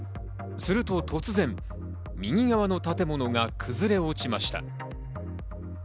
すると突然、右側の建物が崩れ落ちました。